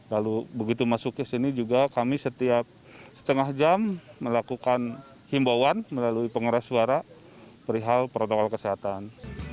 lalu begitu masuk ke sini juga kami setiap setengah jam melakukan himbauan melalui pengeras suara perihal protokol kesehatan